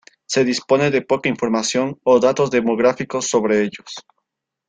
Se dispone de poca información o datos demográficos sobre ellos.